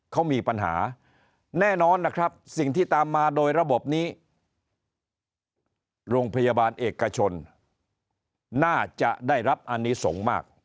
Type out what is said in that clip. เขามีปัญหาแน่นอนนะครับสิ่งที่ตามมาโดยระบบนี้โรงพยาบาลเอกชนน่าจะได้รับอนิสงฆ์มาก